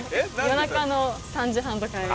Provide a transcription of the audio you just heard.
夜中の３時半とかに。